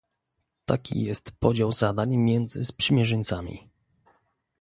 Taki jest podział zadań między sprzymierzeńcami